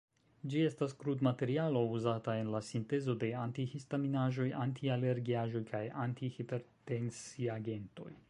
Ĝi estas krudmaterialo uzata en la sintezo de anti-histaminaĵoj, anti-alergiaĵoj kaj anti-hipertensiagentoj.